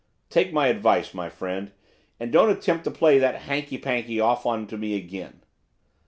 'Take my advice, my friend, and don't attempt to play that hankey pankey off on to me again.